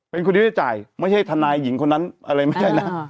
เป็นคนที่ได้จ่ายไม่ใช่ทนายหญิงคนนั้นอะไรไม่ใช่นะ